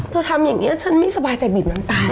ทำอย่างนี้ฉันไม่สบายใจบีบน้ำตา